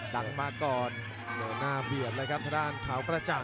ดังมาก่อนหน้าเบียดทะดานขาวประจ่าง